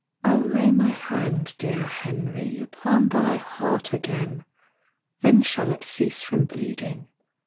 "I'll lay my hand, dear Henry, Upon thy heart again. Then shall it cease from bleeding.